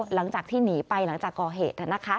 หลังจากที่หนีไปหลังจากก่อเหตุ